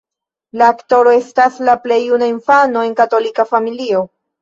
La aktoro estas la plej juna infano en katolika familio.